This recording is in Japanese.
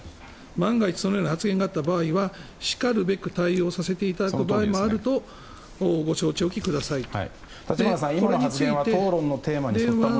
万が一、そのような発言があった場合はしかるべき対応をさせていただく場合もあるとご承知おきくださいと。